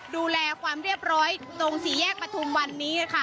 ดูแลความเรียบร้อยตรงสี่แยกประทุมวันนี้ค่ะ